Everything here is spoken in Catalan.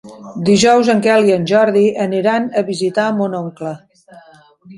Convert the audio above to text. Dijous en Quel i en Jordi aniran a visitar mon oncle.